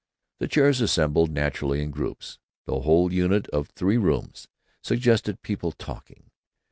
The chairs assembled naturally in groups. The whole unit of three rooms suggested people talking....